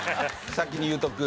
先に言うとく。